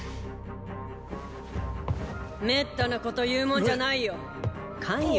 滅多なこと言うもんじゃないよ。え！